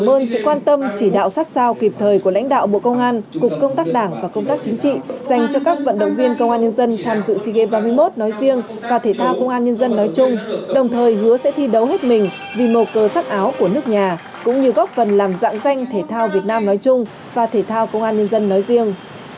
cảm ơn sự quan tâm chỉ đạo sát sao kịp thời của lãnh đạo bộ công an cục công tác đảng và công tác chính trị dành cho các vận động viên công an nhân dân tham dự sea games ba mươi một nói riêng và thể thao công an nhân dân nói chung đồng thời hứa sẽ thi đấu hết mình vì mầu cờ sắc áo của nước nhà cũng như góp phần làm dạng danh thể thao việt nam nói chung và thể thao công an nhân dân nói riêng